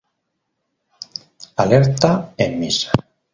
Alerta en misa